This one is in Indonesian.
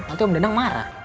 nanti om dadang marah